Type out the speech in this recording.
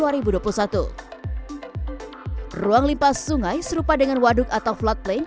ruang limpa sungai serupa dengan waduk atau floodplain